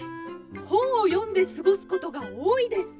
ほんをよんですごすことがおおいです。